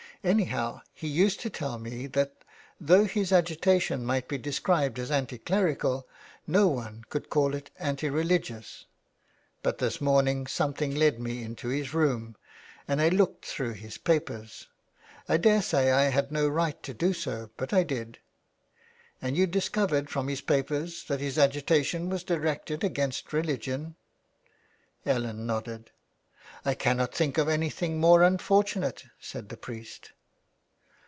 Anyhow he used to tell me that though his agitation might be described as anti clerical no one could call it anti religious. But this morning something led me THE WILD GOOSE. into his room and I looked through his papers. I daresay I had no right to do so but I did." "And 3^ou discovered from his papers that his agitation was directed against reh'glon ?" Ellen nodded. '' I cannot think of anything more unfortunate," said the priest.